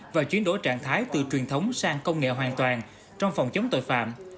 và chuyển đổi trạng thái từ truyền thống sang công nghệ hoàn toàn trong phòng chống tội phạm